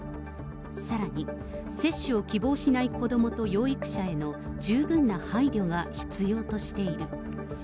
さらに、接種を希望しない子どもと養育者への十分な配慮が必要としている。